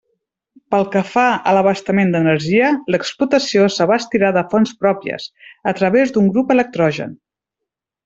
Pel que fa a l'abastament d'energia, l'explotació s'abastirà de fonts pròpies, a través d'un grup electrogen.